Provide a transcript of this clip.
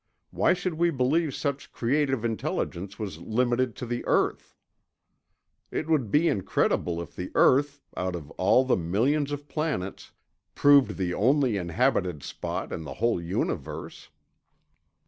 Why should we believe such creative intelligence was limited to the earth? It would be incredible if the earth, out of all the millions of planets, proved the only inhabited spot in the whole universe.